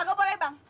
gak boleh bang